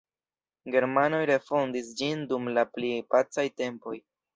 Germanoj refondis ĝin dum la pli pacaj tempoj.